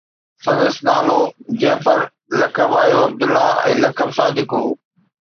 سندس نالو جعفر، لقب ابو عبدالله ۽ لقب صادق هو